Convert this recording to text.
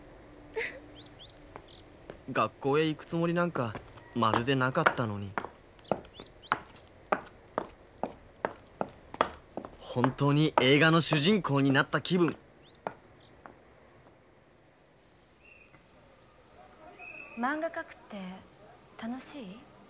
学校へ行くつもりなんかまるでなかったのに本当に映画の主人公になった気分まんが描くって楽しい？